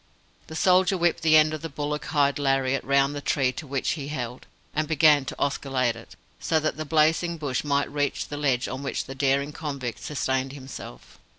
The soldier whipped the end of the bullock hide lariat round the tree to which he held, and began to oscillate it, so that the blazing bush might reach the ledge on which the daring convict sustained himself.